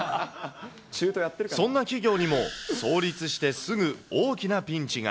そんな企業にも、創立してすぐ大きなピンチが。